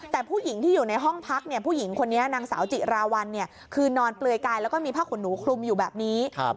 แต่ผู้หญิงที่อยู่ในห้องพักผู้หญิงคนนี้นางสาวจิราวัลคือนอนเปลือยกายแล้วก็มีผ้าขนหนูคลุมอยู่แบบนี้